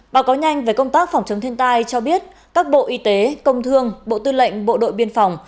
báo cáo nhanh về công tác phòng chống thiên tai cho biết các bộ y tế công thương bộ tư lệnh bộ đội biên phòng